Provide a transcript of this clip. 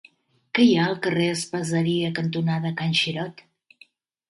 Què hi ha al carrer Espaseria cantonada Can Xirot?